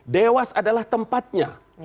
dewas adalah tempat yang harus diperhatikan